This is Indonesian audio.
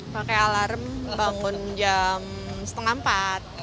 pakai alarm bangun jam setengah empat